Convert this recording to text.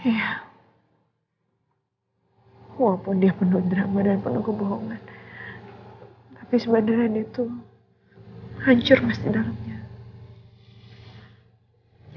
walaupun dia penuh drama dan penuh kebohongan tapi sebenarnya itu hancur masih dalamnya